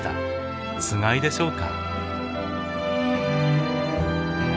つがいでしょうか？